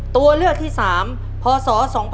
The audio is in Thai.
ตัวเลือกที่๓พศ๒๕๖